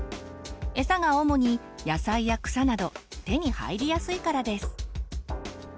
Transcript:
エサが主に野菜や草など手に入りやすいからです。